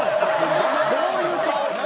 どういう顔？